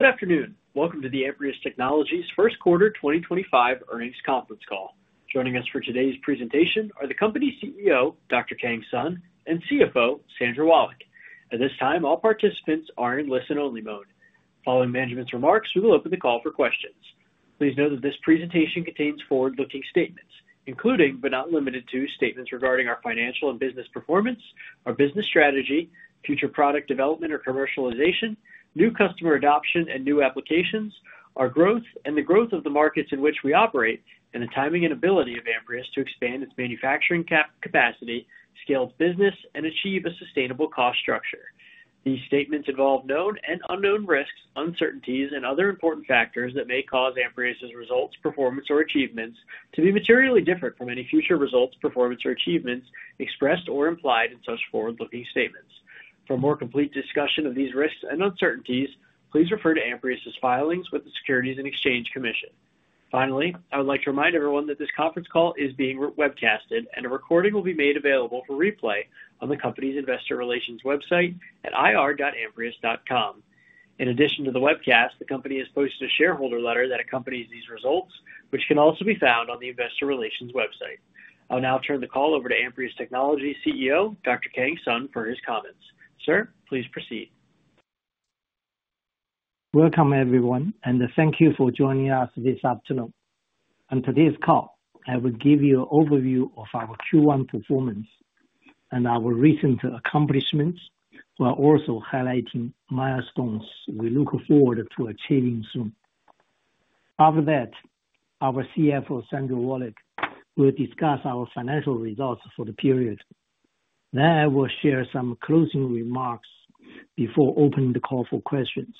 Good afternoon. Welcome to the Amprius Technologies First Quarter 2025 Earnings Conference Call. Joining us for today's presentation are the company CEO, Dr. Kang Sun, and CFO, Sandra Wallach. At this time, all participants are in listen-only mode. Following management's remarks, we will open the call for questions. Please note that this presentation contains forward-looking statements, including but not limited to statements regarding our financial and business performance, our business strategy, future product development or commercialization, new customer adoption and new applications, our growth and the growth of the markets in which we operate, and the timing and ability of Amprius to expand its manufacturing capacity, scale its business, and achieve a sustainable cost structure. These statements involve known and unknown risks, uncertainties, and other important factors that may cause Amprius' results, performance, or achievements to be materially different from any future results, performance, or achievements expressed or implied in such forward-looking statements. For a more complete discussion of these risks and uncertainties, please refer to Amprius' filings with the Securities and Exchange Commission. Finally, I would like to remind everyone that this conference call is being webcast, and a recording will be made available for replay on the company's investor relations website at ir.amprius.com. In addition to the webcast, the company has posted a shareholder letter that accompanies these results, which can also be found on the investor relations website. I'll now turn the call over to Amprius Technologies' CEO, Dr. Kang Sun, for his comments. Sir, please proceed. Welcome, everyone, and thank you for joining us this afternoon. On today's call, I will give you an overview of our Q1 performance and our recent accomplishments, while also highlighting milestones we look forward to achieving soon. After that, our CFO, Sandra Wallach, will discuss our financial results for the period. I will share some closing remarks before opening the call for questions.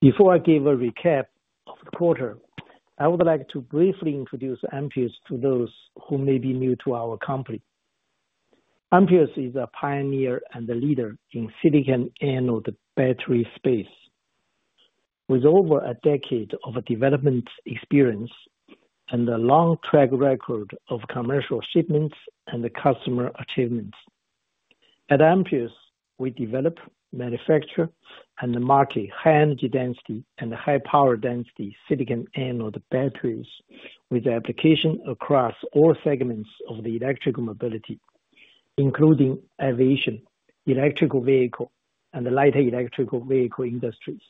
Before I give a recap of the quarter, I would like to briefly introduce Amprius to those who may be new to our company. Amprius is a pioneer and a leader in the silicon anode battery space, with over a decade of development experience and a long track record of commercial shipments and customer achievements. At Amprius, we develop, manufacture, and market high-energy density and high-power density silicon anode batteries with application across all segments of the electrical mobility, including aviation, electric vehicle, and the light electrical vehicle industries.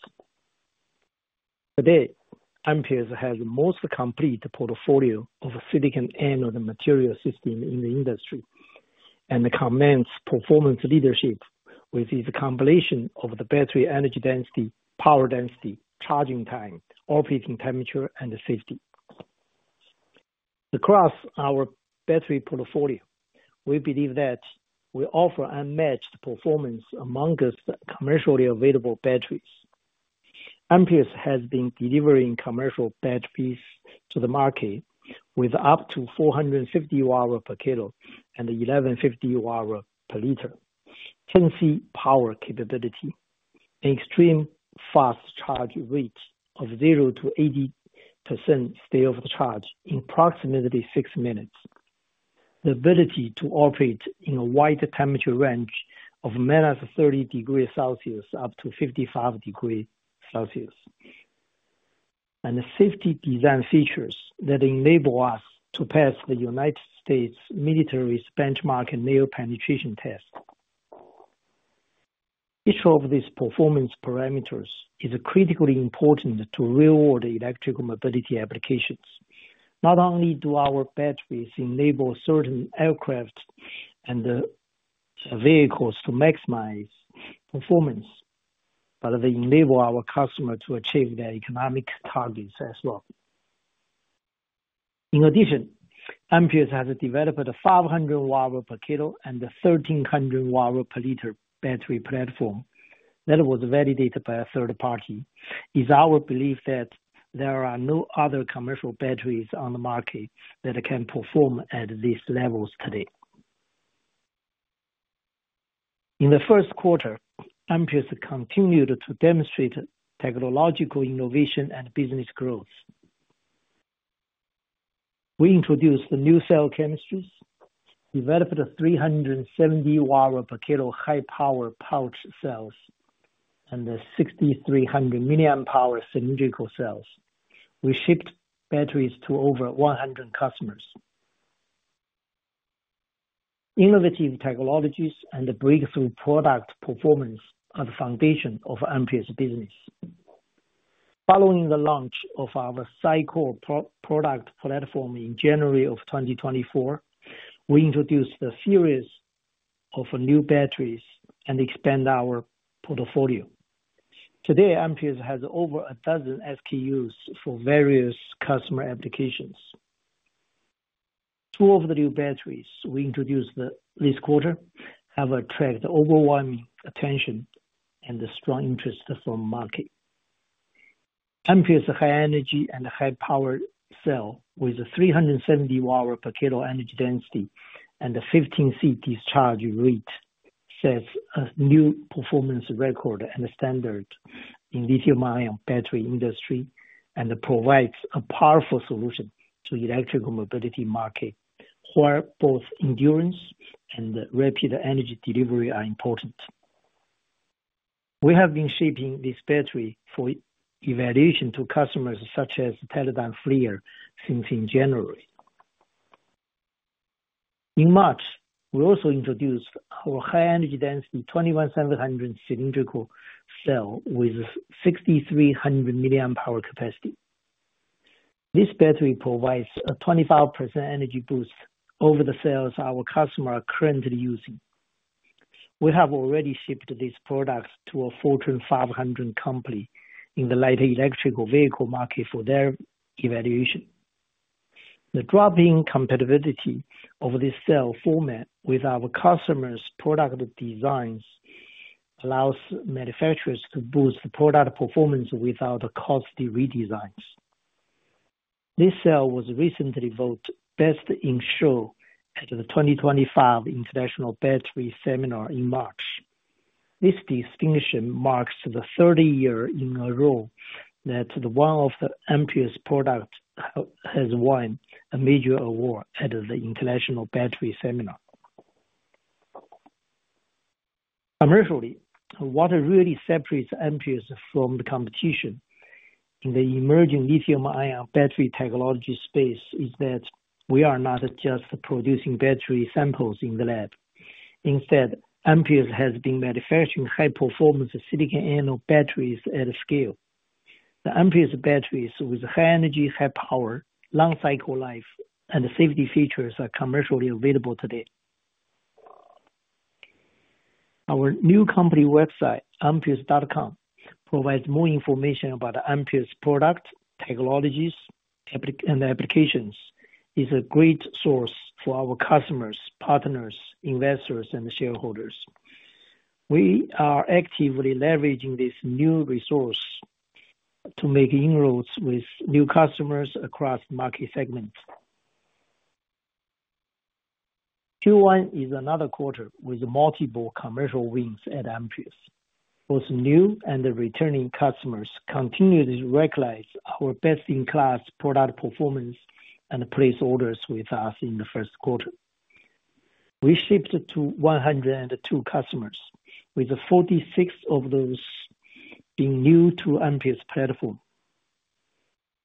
Today, Amprius has the most complete portfolio of silicon anode material systems in the industry and commands performance leadership with its combination of the battery energy density, power density, charging time, operating temperature, and safety. Across our battery portfolio, we believe that we offer unmatched performance amongst commercially available batteries. Amprius has been delivering commercial batteries to the market with up to 450 Wh per kg and 1150 Wh per L, 10C power capability, an extremely fast charge rate of 0%-80% state of charge in approximately six minutes, the ability to operate in a wide temperature range of minus 30 degrees Celsius up to 55 degrees Celsius, and safety design features that enable us to pass the United States' military's benchmark nail penetration test. Each of these performance parameters is critically important to real-world electrical mobility applications. Not only do our batteries enable certain aircraft and vehicles to maximize performance, but they enable our customers to achieve their economic targets as well. In addition, Amprius has developed a 500 Wh per kg and 1300 Wh per L battery platform that was validated by a third-party. It is our belief that there are no other commercial batteries on the market that can perform at these levels today. In the first quarter, Amprius continued to demonstrate technological innovation and business growth. We introduced the new cell chemistries, developed the 370 Wh per kg high-power pouch cells, and the 6300 mAh cylindrical cells. We shipped batteries to over 100 customers. Innovative technologies and breakthrough product performance are the foundation of Amprius' business. Following the launch of our SiCore product platform in January of 2024, we introduced a series of new batteries and expanded our portfolio. Today, Amprius has over a dozen SKUs for various customer applications. Two of the new batteries we introduced this quarter have attracted overwhelming attention and strong interest from the market. Amprius' high-energy and high-power cell with 370 Wh per kg energy density and 15C discharge rate sets a new performance record and standard in the lithium-ion battery industry and provides a powerful solution to the electrical mobility market, where both endurance and rapid energy delivery are important. We have been shipping this battery for evaluation to customers such as Teledyne FLIR since January. In March, we also introduced our high-energy density 21700 cylindrical cell with 6300 mAh capacity. This battery provides a 25% energy boost over the cells our customers are currently using. We have already shipped this product to a Fortune 500 company in the light electrical vehicle market for their evaluation. The drop-in compatibility of this cell format with our customers' product designs allows manufacturers to boost product performance without costly redesigns. This cell was recently voted Best in Show at the 2025 International Battery Seminar in March. This distinction marks the 3rd year in a row that one of Amprius' products has won a major award at the International Battery Seminar. Commercially, what really separates Amprius from the competition in the emerging lithium-ion battery technology space is that we are not just producing battery samples in the lab. Instead, Amprius has been manufacturing high-performance silicon anode batteries at scale. The Amprius batteries with high energy, high power, long cycle life, and safety features are commercially available today. Our new company website, amprius.com, provides more information about Amprius' product technologies and applications. It is a great source for our customers, partners, investors, and shareholders. We are actively leveraging this new resource to make inroads with new customers across market segments. Q1 is another quarter with multiple commercial wins at Amprius. Both new and returning customers continued to recognize our best-in-class product performance and place orders with us in the first quarter. We shipped to 102 customers, with 46 of those being new to Amprius' platform.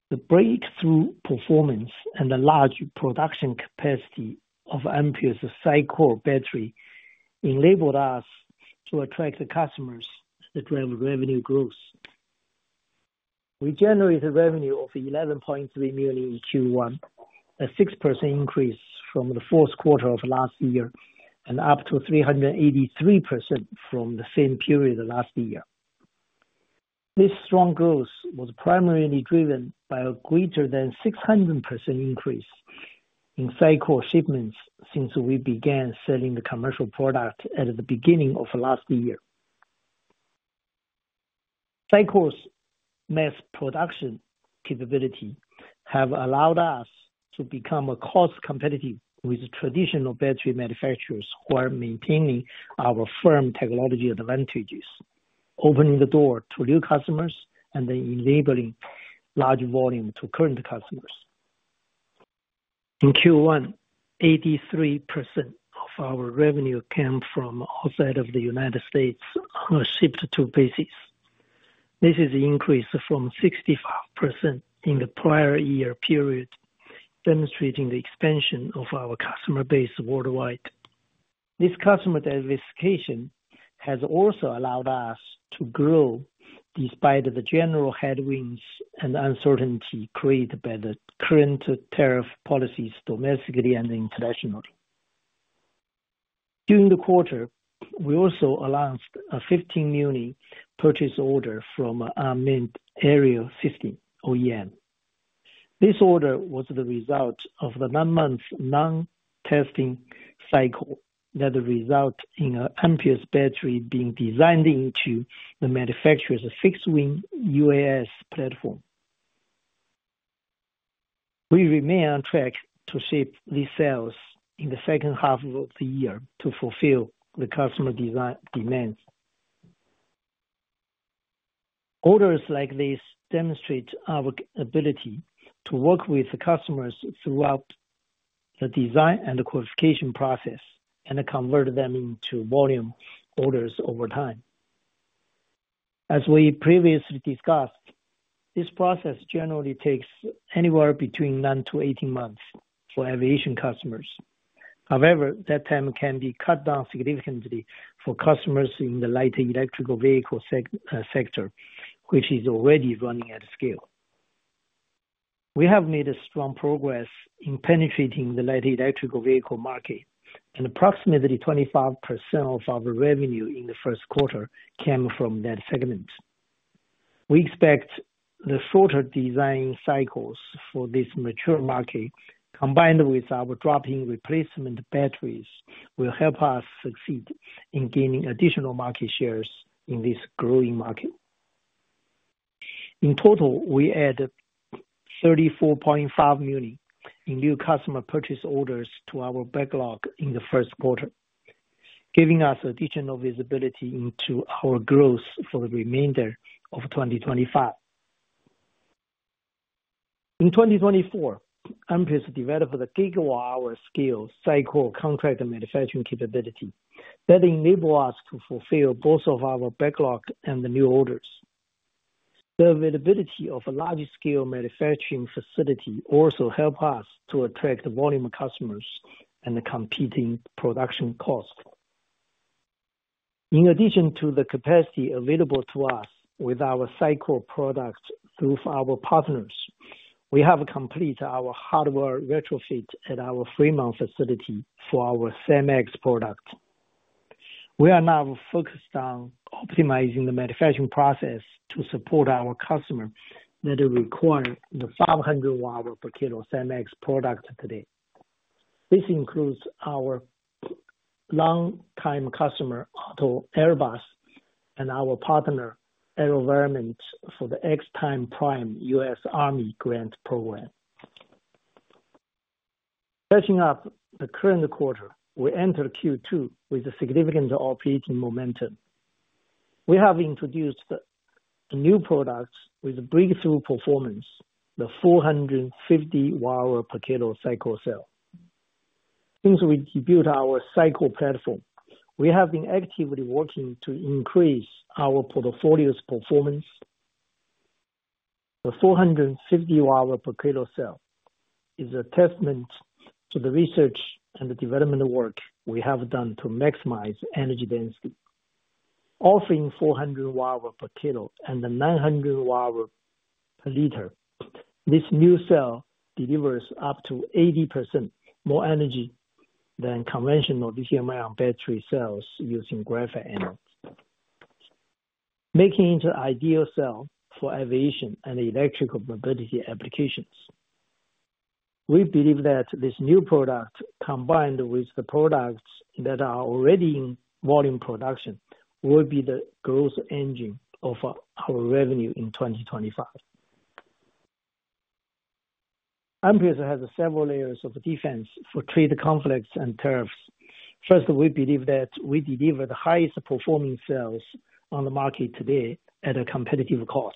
The breakthrough performance and the large production capacity of Amprius' SiCore battery enabled us to attract customers that drive revenue growth. We generated revenue of $11.3 million in Q1, a 6% increase from the fourth quarter of last year and up to 383% from the same period last year. This strong growth was primarily driven by a greater than 600% increase in SiCore shipments since we began selling the commercial product at the beginning of last year. SiCore's mass production capability has allowed us to become cost competitive with traditional battery manufacturers who are maintaining our firm technology advantages opening the doors to new customers and enabling large volume to current customers. In Q1, 83% of our revenue came from outside of the United States on a ship-to basis. This is an increase from 65% in the prior year period, demonstrating the expansion of our customer base worldwide. This customer diversification has also allowed us to grow despite the general headwinds and uncertainty created by the current tariff policies domestically and internationally. During the quarter, we also announced a $15 million purchase order from unmanned aerial systems, OEM. This order was the result of the nine-month non-testing cycle that resulted in Amprius' battery being designed into the manufacturer's fixed-wing UAS platform. We remain on track to ship these cells in the second half of the year to fulfill the customer demands. Orders like these demonstrate our ability to work with customers throughout the design and the qualification process and convert them into volume orders over time. As we previously discussed, this process generally takes anywhere between 9-18 months for aviation customers. However, that time can be cut down significantly for customers in the light electrical vehicle sector, which is already running at scale. We have made strong progress in penetrating the light electrical vehicle market, and approximately 25% of our revenue in the first quarter came from that segment. We expect the shorter design cycles for this mature market, combined with our drop-in replacement batteries, will help us succeed in gaining additional market shares in this growing market. In total, we added $34.5 million in new customer purchase orders to our backlog in the first quarter, giving us additional visibility into our growth for the remainder of 2025. In 2024, Amprius developed the gigawatt-hour scale SiCore contract manufacturing capability that enabled us to fulfill both our backlog and the new orders. The availability of a large-scale manufacturing facility also helped us to attract volume customers and the competing production cost. In addition to the capacity available to us with our SiCore product through our partners, we have completed our hardware retrofit at our Fremont facility for our SiMaxx product. We are now focused on optimizing the manufacturing process to support our customers that require the 500 Wh per kilo SiMaxx product today. This includes our long-time customer, AALTO Airbus, and our partner, AeroVironment, for the xTechPrime U.S. Army grant program. Setting up the current quarter, we entered Q2 with significant operating momentum. We have introduced new products with breakthrough performance, the 450 Wh per kilo SiCore cell. Since we debuted our SiCore platform, we have been actively working to increase our portfolio's performance. The 450 Wh per kilo cell is a testament to the research and the development work we have done to maximize energy density. Offering 400 Wh per kilo and 900 Wh per L, this new cell delivers up to 80% more energy than conventional lithium-ion battery cells using graphite anodes, making it an ideal cell for aviation and electrical mobility applications. We believe that this new product, combined with the products that are already in volume production, will be the growth engine of our revenue in 2025. Amprius has several layers of defense for trade conflicts and tariffs. First, we believe that we deliver the highest performing cells on the market today at a competitive cost.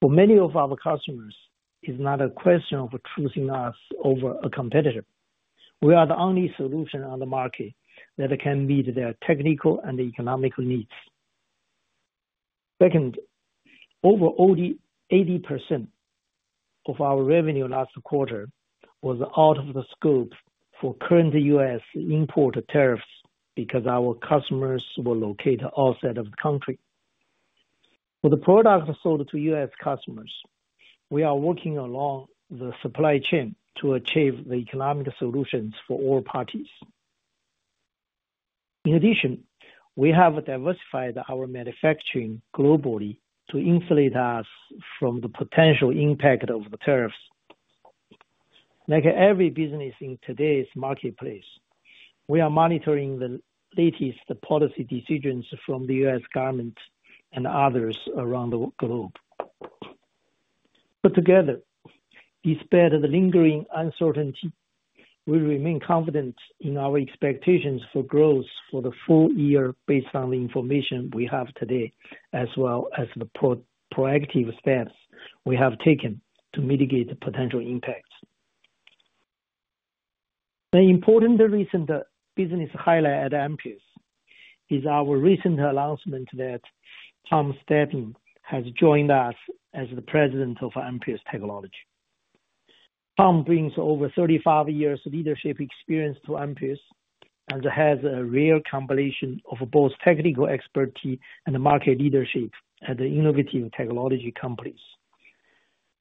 For many of our customers, it is not a question of choosing us over a competitor. We are the only solution on the market that can meet their technical and economic needs. Second, over 80% of our revenue last quarter was out of the scope for current U.S. import tariffs because our customers were located outside of the country. For the product sold to U.S. customers, we are working along the supply chain to achieve the economic solutions for all parties. In addition, we have diversified our manufacturing globally to insulate us from the potential impact of the tariffs. Like every business in today's marketplace, we are monitoring the latest policy decisions from the U.S. government and others around the globe. Put together, despite the lingering uncertainty, we remain confident in our expectations for growth for the full year based on the information we have today, as well as the proactive steps we have taken to mitigate the potential impacts. The important recent business highlight at Amprius is our recent announcement that Tom Stepien has joined us as the President of Amprius Technologies. Tom brings over 35 years of leadership experience to Amprius and has a rare combination of both technical expertise and market leadership at innovative technology companies.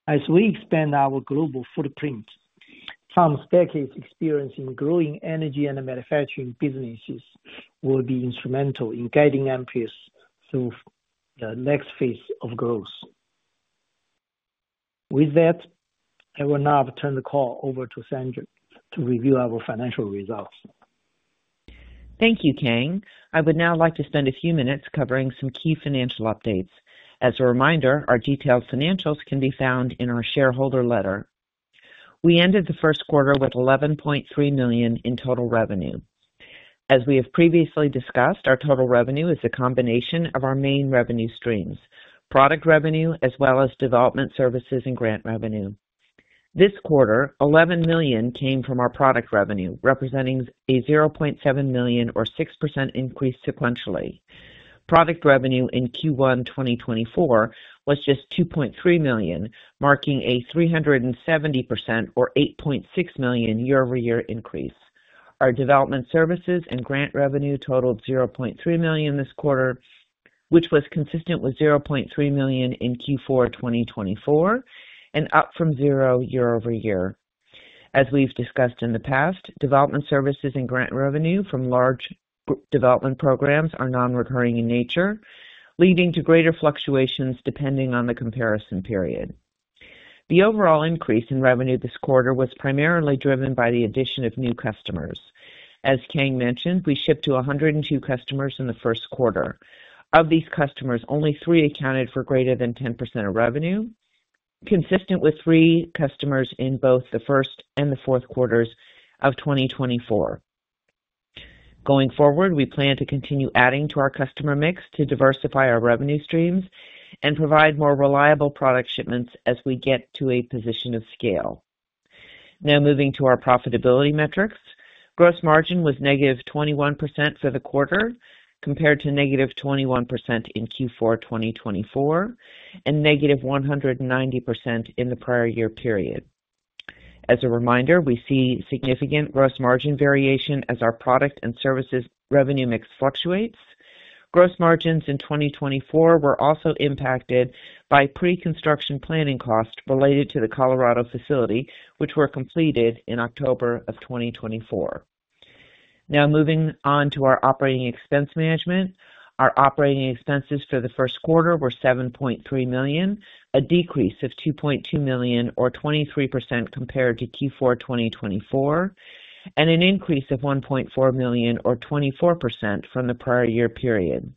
As we expand our global footprint, Tom's decades of experience in growing energy and manufacturing businesses will be instrumental in guiding Amprius through the next phase of growth. With that, I will now turn the call over to Sandra to review our financial results. Thank you, Kang. I would now like to spend a few minutes covering some key financial updates. As a reminder, our detailed financials can be found in our shareholder letter. We ended the first quarter with $11.3 million in total revenue. As we have previously discussed, our total revenue is a combination of our main revenue streams, product revenue, as well as development services and grant revenue. This quarter, $11 million came from our product revenue, representing a $0.7 million or 6% increase sequentially. Product revenue in Q1 2024 was just $2.3 million, marking a 370% or $8.6 million year-over-year increase. Our development services and grant revenue totaled $0.3 million this quarter, which was consistent with $0.3 million in Q4 2024 and up from zero year-over-year. As we've discussed in the past, development services and grant revenue from large development programs are non-recurring in nature, leading to greater fluctuations depending on the comparison period. The overall increase in revenue this quarter was primarily driven by the addition of new customers. As Kang mentioned, we shipped to 102 customers in the first quarter. Of these customers, only three accounted for greater than 10% of revenue, consistent with three customers in both the first and the fourth quarters of 2024. Going forward, we plan to continue adding to our customer mix to diversify our revenue streams and provide more reliable product shipments as we get to a position of scale. Now moving to our profitability metrics, gross margin was negative 21% for the quarter compared to negative 21% in Q4 2024 and negative 190% in the prior year period. As a reminder, we see significant gross margin variation as our product and services revenue mix fluctuates. Gross margins in 2024 were also impacted by pre-construction planning costs related to the Colorado facility, which were completed in October of 2024. Now moving on to our operating expense management, our operating expenses for the first quarter were $7.3 million, a decrease of $2.2 million or 23% compared to Q4 2024, and an increase of $1.4 million or 24% from the prior year period.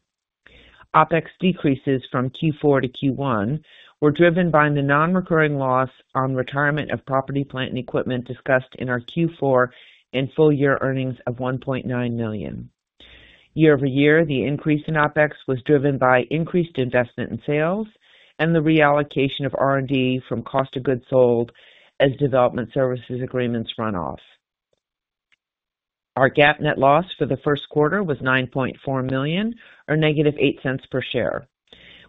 OpEx decreases from Q4 to Q1 were driven by the non-recurring loss on retirement of property, plant, and equipment discussed in our Q4 and full-year earnings of $1.9 million. Year-over-year, the increase in OpEx was driven by increased investment in sales and the reallocation of R&D from cost of goods sold as development services agreements run off. Our GAAP net loss for the first quarter was $9.4 million, or negative $0.08 per share,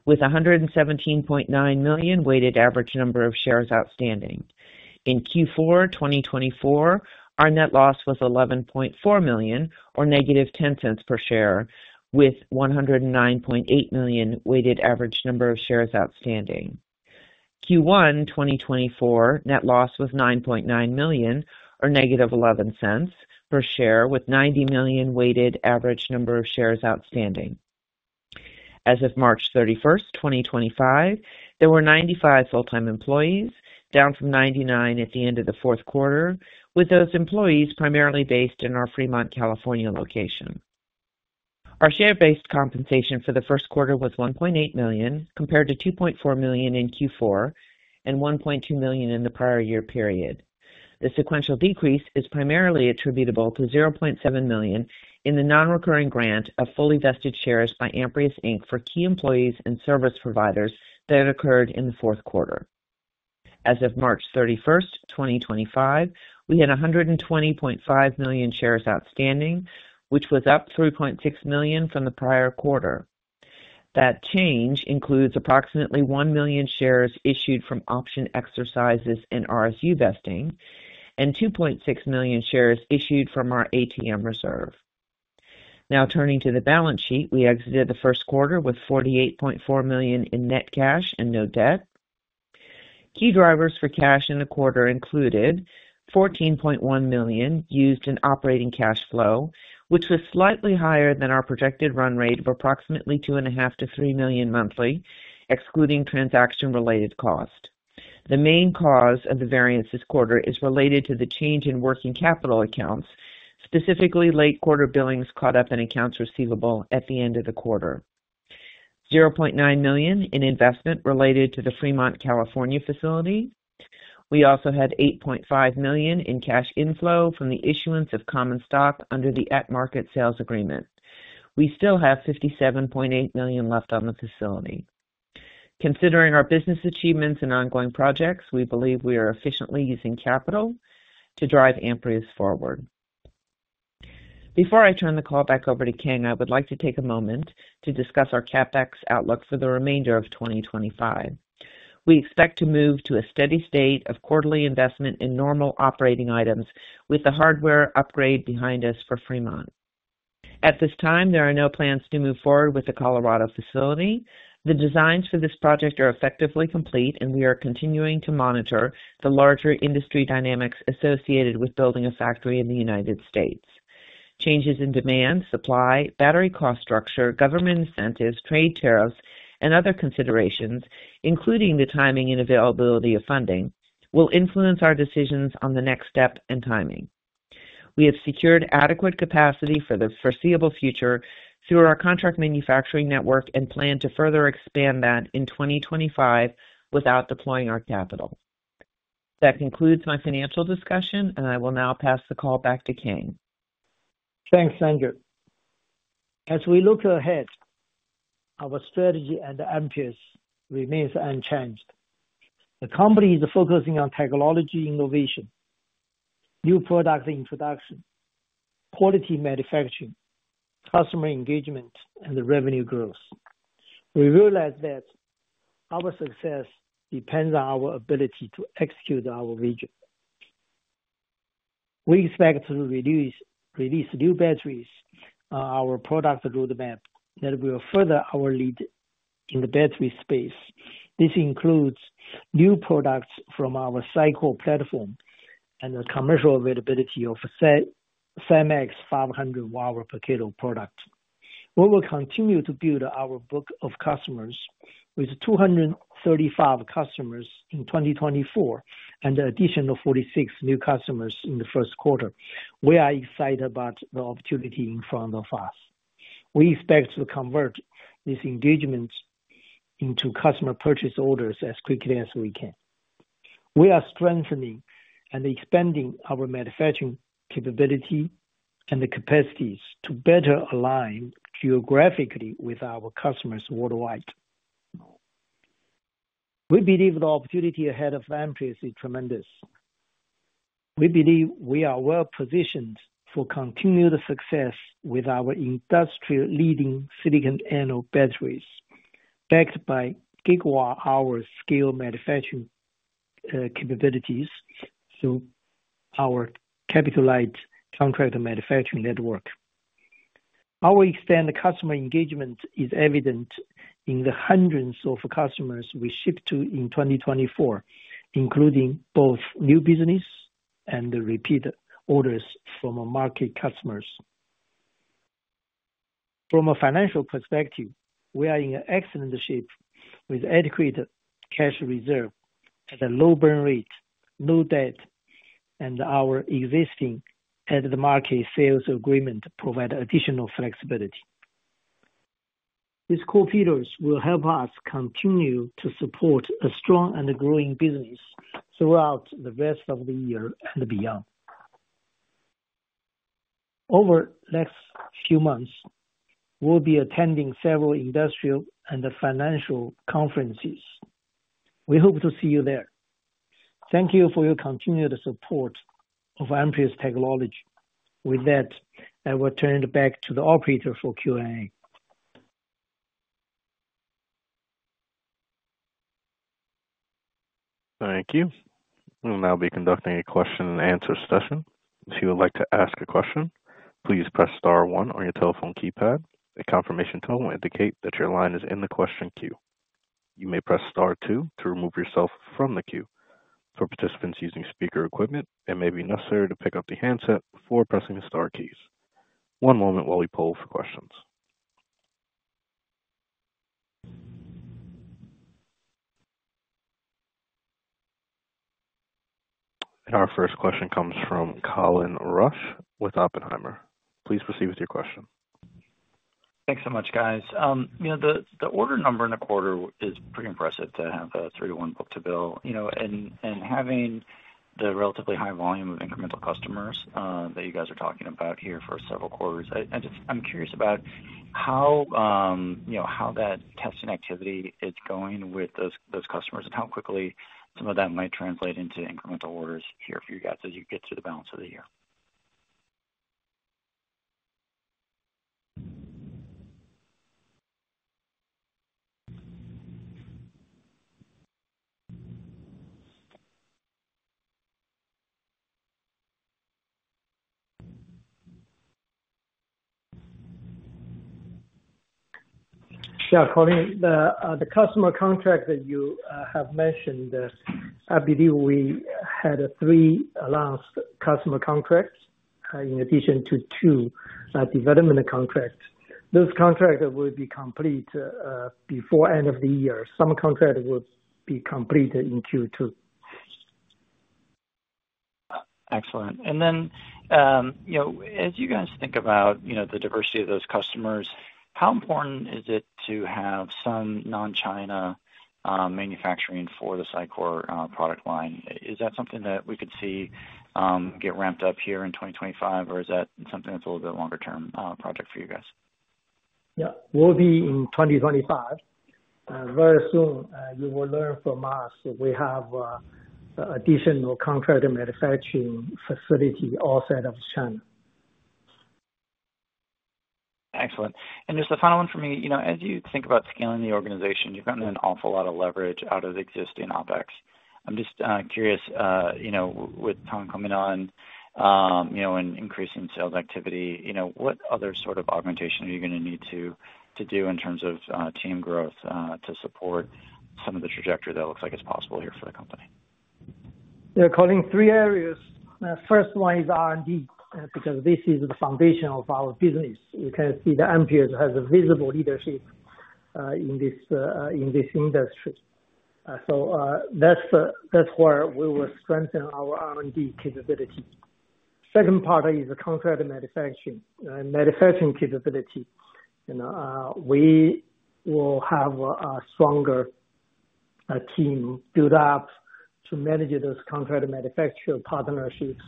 with 117.9 million weighted average number of shares outstanding. In Q4 2024, our net loss was $11.4 million, or negative $0.10 per share, with 109.8 million weighted average number of shares outstanding. Q1 2024, net loss was $9.9 million, or negative $0.11 per share, with 90 million weighted average number of shares outstanding. As of March 31st, 2025, there were 95 full-time employees, down from 99 at the end of the fourth quarter, with those employees primarily based in our Fremont, California location. Our share-based compensation for the first quarter was $1.8 million compared to $2.4 million in Q4 and $1.2 million in the prior year period. The sequential decrease is primarily attributable to $0.7 million in the non-recurring grant of fully vested shares by Amprius Technologies for key employees and service providers that occurred in the fourth quarter. As of March 31st, 2025, we had 120.5 million shares outstanding, which was up 3.6 million from the prior quarter. That change includes approximately 1 million shares issued from option exercises and RSU vesting, and 2.6 million shares issued from our ATM reserve. Now turning to the balance sheet, we exited the first quarter with $48.4 million in net cash and no debt. Key drivers for cash in the quarter included $14.1 million used in operating cash flow, which was slightly higher than our projected run rate of approximately $2.5million-$3 million monthly, excluding transaction-related cost. The main cause of the variance this quarter is related to the change in working capital accounts, specifically late quarter billings caught up in accounts receivable at the end of the quarter. $0.9 million in investment related to the Fremont, California facility. We also had $8.5 million in cash inflow from the issuance of common stock under the at-market sales agreement. We still have $57.8 million left on the facility. Considering our business achievements and ongoing projects, we believe we are efficiently using capital to drive Amprius forward. Before I turn the call back over to Kang, I would like to take a moment to discuss our CapEx outlook for the remainder of 2025. We expect to move to a steady state of quarterly investment in normal operating items, with the hardware upgrade behind us for Fremont. At this time, there are no plans to move forward with the Colorado facility. The designs for this project are effectively complete, and we are continuing to monitor the larger industry dynamics associated with building a factory in the United States. Changes in demand, supply, battery cost structure, government incentives, trade tariffs, and other considerations, including the timing and availability of funding, will influence our decisions on the next step and timing. We have secured adequate capacity for the foreseeable future through our contract manufacturing network and plan to further expand that in 2025 without deploying our capital. That concludes my financial discussion, and I will now pass the call back to Kang. Thanks, Sandra. As we look ahead, our strategy at Amprius remains unchanged. The company is focusing on technology innovation, new product introduction, quality manufacturing, customer engagement, and the revenue growth. We realize that our success depends on our ability to execute our vision. We expect to release new batteries on our product roadmap that will further our lead in the battery space. This includes new products from our SiCore platform and the commercial availability of SiMaxx 500 Wh per kg product. We will continue to build our book of customers with 235 customers in 2024 and the addition of 46 new customers in the first quarter. We are excited about the opportunity in front of us. We expect to convert this engagement into customer purchase orders as quickly as we can. We are strengthening and expanding our manufacturing capability and the capacities to better align geographically with our customers worldwide. We believe the opportunity ahead of Amprius is tremendous. We believe we are well positioned for continued success with our industry-leading silicon anode batteries, backed by gigawatt-hour scale manufacturing capabilities through our capital-light contract manufacturing network. Our extended customer engagement is evident in the hundreds of customers we shipped to in 2024, including both new business and the repeat orders from our market customers. From a financial perspective, we are in excellent shape with adequate cash reserve at a low burn rate, no debt, and our existing at-the-market sales agreement provides additional flexibility. These co-pillars will help us continue to support a strong and growing business throughout the rest of the year and beyond. Over the next few months, we'll be attending several industrial and financial conferences. We hope to see you there. Thank you for your continued support of Amprius Technologies. With that, I will turn it back to the operator for Q&A. Thank you. We'll now be conducting a question-and-answer session. If you would like to ask a question, please press star one on your telephone keypad. A confirmation tone will indicate that your line is in the question queue. You may press star two to remove yourself from the queue. For participants using speaker equipment, it may be necessary to pick up the handset before pressing the star keys. One moment while we poll for questions. Our first question comes from Colin Rusch with Oppenheimer. Please proceed with your question. Thanks so much, guys. The order number in the quarter is pretty impressive to have a three-to-one book to bill. Having the relatively high volume of incremental customers that you guys are talking about here for several quarters, I'm curious about how that testing activity is going with those customers and how quickly some of that might translate into incremental orders here for you guys as you get through the balance of the year. Yeah, Colin, the customer contract that you have mentioned, I believe we had three last customer contracts in addition to two development contracts. Those contracts will be complete before the end of the year. Some contracts will be complete in Q2. Excellent. As you guys think about the diversity of those customers, how important is it to have some non-China manufacturing for the SiCore product line? Is that something that we could see get ramped up here in 2025, or is that something that's a little bit longer-term project for you guys? Yeah, we'll be in 2025. Very soon, you will learn from us. We have an additional contract manufacturing facility outside of China. Excellent. And just the final one for me. As you think about scaling the organization, you've gotten an awful lot of leverage out of existing OpEx. I'm just curious, with Tom coming on and increasing sales activity, what other sort of augmentation are you going to need to do in terms of team growth to support some of the trajectory that looks like it's possible here for the company? Yeah, Colin, three areas. First one is R&D because this is the foundation of our business. You can see that Amprius has a visible leadership in this industry. That is where we will strengthen our R&D capability. The second part is contract manufacturing capability. We will have a stronger team built up to manage those contract manufacturer partnerships.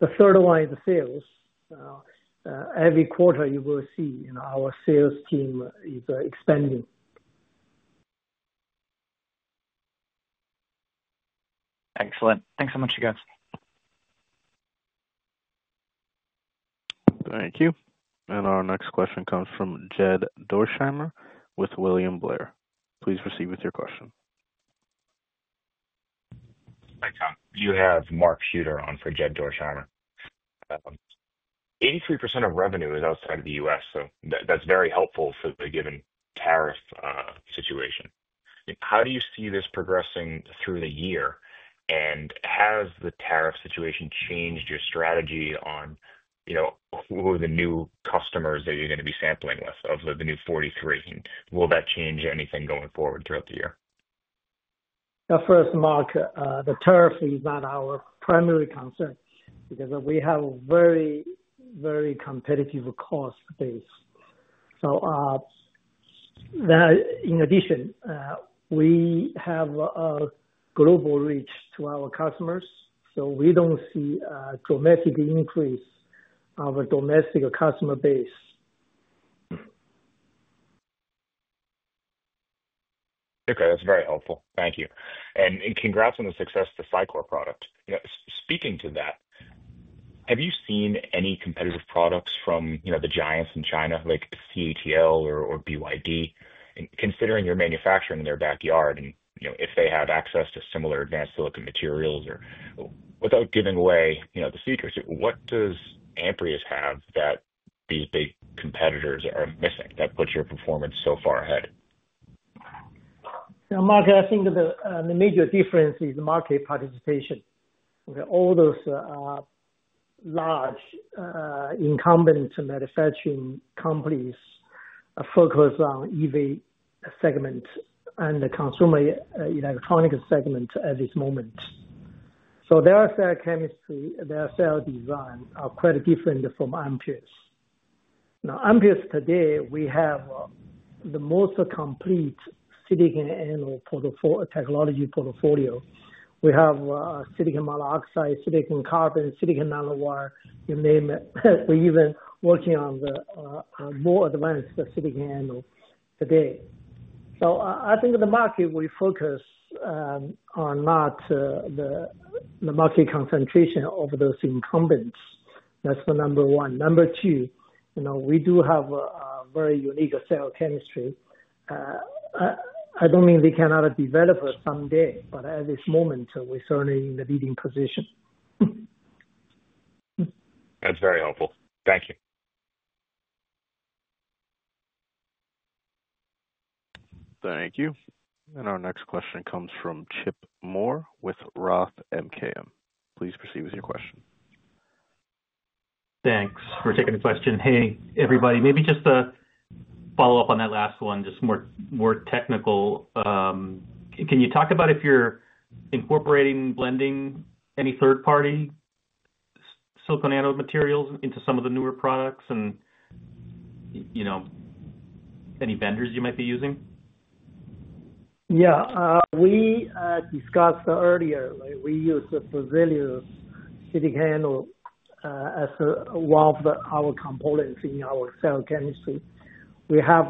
The third one is sales. Every quarter, you will see our sales team is expanding. Excellent. Thanks so much, you guys. Thank you. Our next question comes from Jed Dorsheimer with William Blair. Please proceed with your question. Hi, Tom. You have Mark Shooter on for Jed Dorsheimer. 83% of revenue is outside of the U.S., so that is very helpful for the given tariff situation. How do you see this progressing through the year, and has the tariff situation changed your strategy on who are the new customers that you are going to be sampling with of the new 43? Will that change anything going forward throughout the year? First, Mark, the tariff is not our primary concern because we have a very, very competitive cost base. In addition, we have a global reach to our customers, so we do not see a dramatic increase in our domestic customer base. Okay, that is very helpful. Thank you. Congrats on the success of the SiCore product. Speaking to that, have you seen any competitive products from the giants in China, like CATL or BYD, considering your manufacturing in their backyard and if they have access to similar advanced silicon materials? Without giving away the secrets, what does Amprius have that these big competitors are missing that puts your performance so far ahead? Mark, I think the major difference is market participation. All those large incumbent manufacturing companies focus on the EV segment and the consumer electronics segment at this moment. Their cell chemistry, their cell design are quite different from Amprius. Now, Amprius today, we have the most complete silicon anode technology portfolio. We have silicon monoxide, silicon carbon, silicon nanowire, you name it. We're even working on the more advanced silicon anode today. I think the market will focus on not the market concentration of those incumbents. That's the number one. Number two, we do have a very unique cell chemistry. I don't mean we cannot develop it someday, but at this moment, we're certainly in the leading position. That's very helpful. Thank you. Thank you. Our next question comes from Chip Moore with Roth MKM. Please proceed with your question. Thanks for taking the question. Hey, everybody, maybe just to follow up on that last one, just more technical. Can you talk about if you're incorporating and blending any third-party silicon anode materials into some of the newer products and any vendors you might be using? Yeah, we discussed earlier. We use Berzelius silicon anode as one of our components in our cell chemistry. We have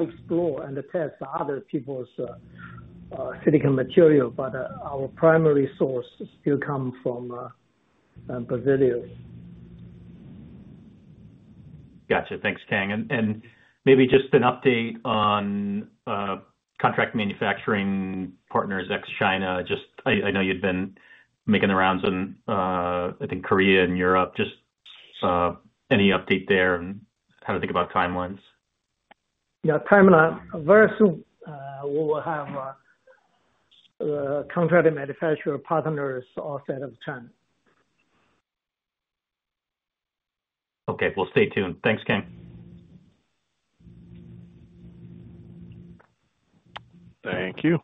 explored and tested other people's silicon material, but our primary source still comes from Berzelius. Gotcha. Thanks, Kang. Maybe just an update on contract manufacturing partners ex-China. I know you've been making the rounds in, I think, Korea and Europe. Just any update there and how to think about timelines? Yeah, timeline. Very soon, we will have contract manufacturer partners outside of China. Okay, we'll stay tuned. Thanks, Kang. Thank you.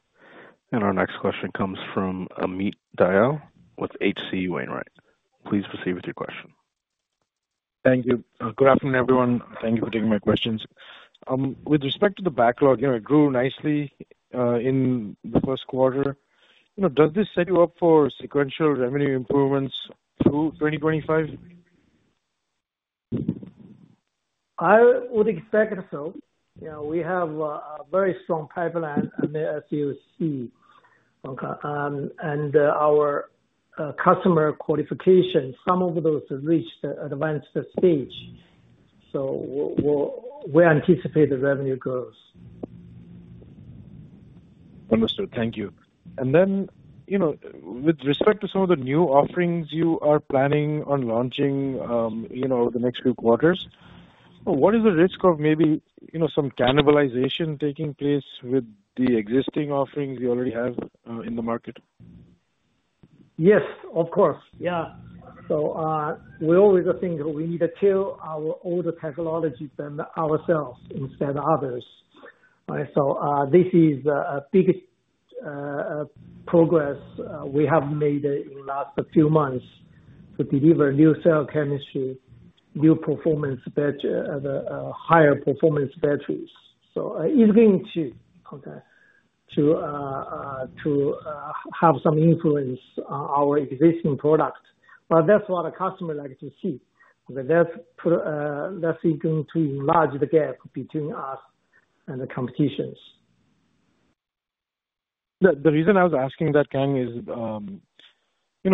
Our next question comes from Amit Dayal with H.C. Wainwright. Please proceed with your question. Thank you. Good afternoon, everyone. Thank you for taking my questions. With respect to the backlog, it grew nicely in the first quarter. Does this set you up for sequential revenue improvements through 2025? I would expect so. We have a very strong pipeline as you see, and our customer qualifications, some of those reached the advanced stage. We anticipate the revenue growth. Understood. Thank you. With respect to some of the new offerings you are planning on launching over the next few quarters, what is the risk of maybe some cannibalization taking place with the existing offerings you already have in the market? Yes, of course. Yeah. We always think we need kill to tell our older technologies ourselves instead of others. This is the biggest progress we have made in the last few months to deliver new cell chemistry, new performance batteries, higher performance batteries. It's going to have some influence on our existing product. That's what our customers like to see. That's going to enlarge the gap between us and the competition. The reason I was asking that, Kang, is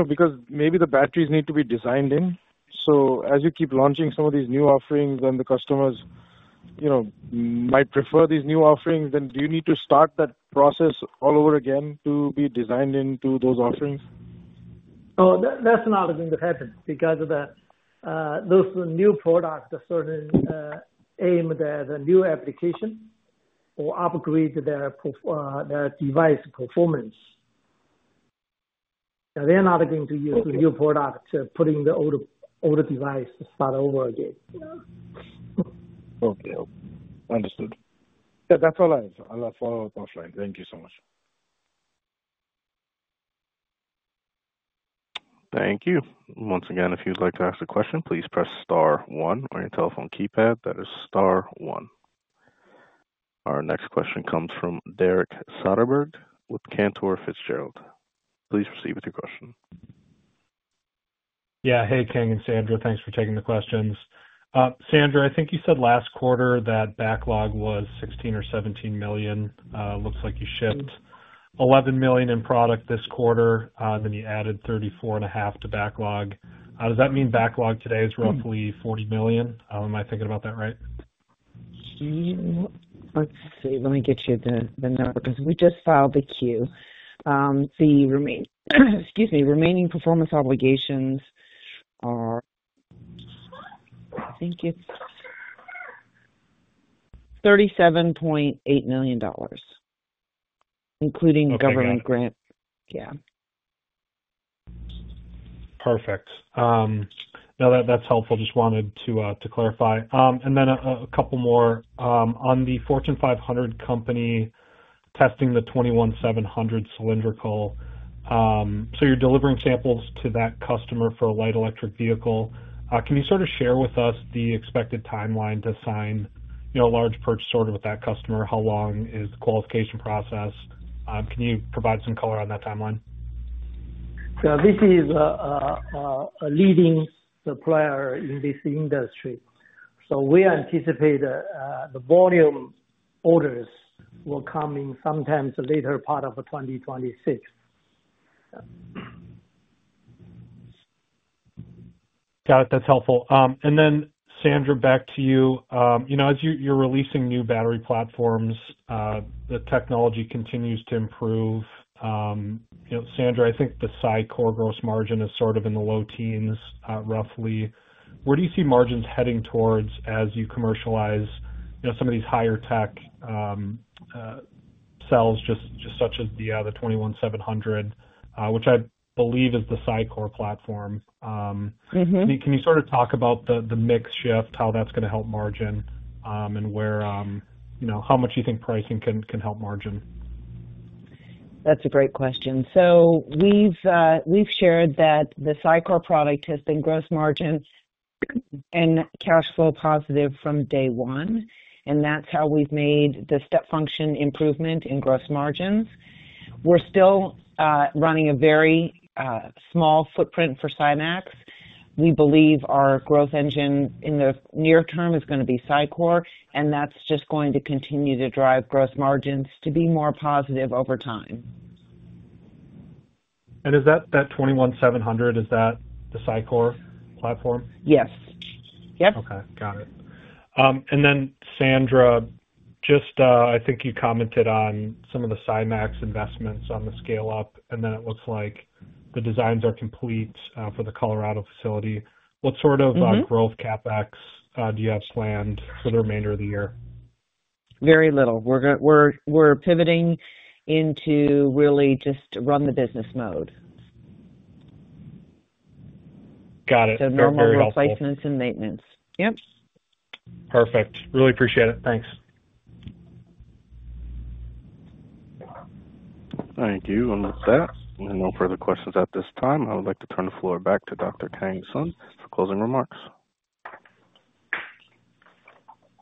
because maybe the batteries need to be designed in. As you keep launching some of these new offerings and the customers might prefer these new offerings, do you need to start that process all over again to be designed into those offerings? That's not going to happen because those new products certainly aim at a new application or upgrade their device performance. They're not going to use the new product to put in the older device to start over again. Okay. Understood. Yeah, that's all I have. I'll follow up offline. Thank you so much. Thank you. Once again, if you'd like to ask a question, please press star one on your telephone keypad. That is star one. Our next question comes from Derek Soderberg with Cantor Fitzgerald. Please proceed with your question. Yeah. Hey, Kang and Sandra. Thanks for taking the questions. Sandra, I think you said last quarter that backlog was $16 million or $17 million. Looks like you shipped $11 million in product this quarter, and then you added $34.5 million to backlog. Does that mean backlog today is roughly $40 million? Am I thinking about that right? Let's see. Let me get you the number because we just filed the Q. The remaining performance obligations are, I think it's $37.8 million, including government grant. Yeah. Perfect. No, that's helpful. Just wanted to clarify. And then a couple more on the Fortune 500 company testing the 21700 cylindrical. You are delivering samples to that customer for a light electric vehicle. Can you sort of share with us the expected timeline to sign a large purchase order with that customer? How long is the qualification process? Can you provide some color on that timeline? This is a leading supplier in this industry. We anticipate the volume orders will come in sometime in the later part of 2026. Got it. That's helpful. Sandra, back to you. As you are releasing new battery platforms, the technology continues to improve. Sandra, I think the SiCore gross margin is sort of in the low teens, roughly. Where do you see margins heading towards as you commercialize some of these higher tech cells, just such as the 21700, which I believe is the SiCore platform? Can you sort of talk about the mix shift, how that's going to help margin, and how much you think pricing can help margin? That's a great question. We've shared that the SiCore product has been gross margin and cash flow positive from day one, and that's how we've made the step function improvement in gross margins. We're still running a very small footprint for SiMaxx. We believe our growth engine in the near term is going to be SiCore, and that's just going to continue to drive gross margins to be more positive over time. Is that that 21700, is that the SiCore platform? Yes. Yep. Got it. Sandra, I think you commented on some of the SiMaxx investments on the scale-up, and it looks like the designs are complete for the Colorado facility. What sort of growth CapEx do you have planned for the remainder of the year? Very little. We're pivoting into really just run-the-business mode. Got it. So normal replacements and maintenance. Yep. Perfect. Really appreciate it. Thanks. Thank you. And with that, no further questions at this time. I would like to turn the floor back to Dr. Kang Sun for closing remarks.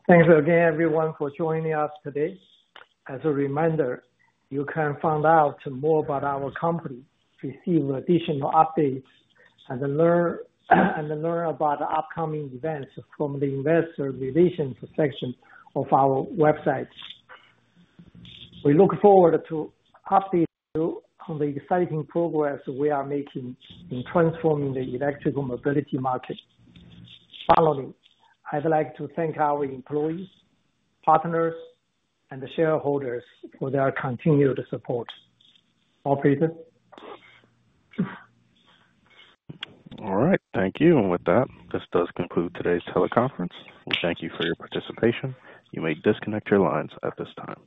Thanks again, everyone, for joining us today. As a reminder, you can find out more about our company, receive additional updates, and learn about upcoming events from the investor relations section of our website. We look forward to updating you on the exciting progress we are making in transforming the electrical mobility market. Finally, I'd like to thank our employees, partners, and shareholders for their continued support. Operator. Thank you. And with that, this does conclude today's teleconference. We thank you for your participation. You may disconnect your lines at this time.